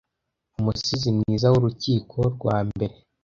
umusizi mwiza w urukiko rwa mbere